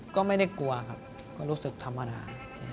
ก็ไม่ได้กลัวครับก็รู้สึกธรรมดา